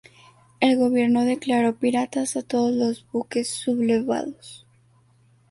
El Gobierno declaró piratas a todos los buques sublevados.